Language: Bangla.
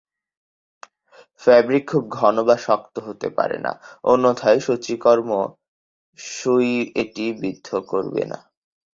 ফ্যাব্রিক খুব ঘন বা শক্ত হতে পারে না, অন্যথায় সূচিকর্ম সুই এটি বিদ্ধ করবে না।